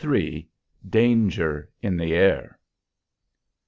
DANGER IN THE AIR.